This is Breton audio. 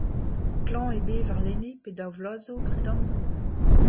Klañv eo bet warlene, pe daou vloaz 'zo, gredan.